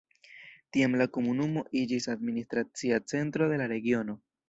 Tiam la komunumo iĝis administracia centro de la regiono.